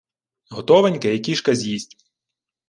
Готовеньке і кішка з’їсть.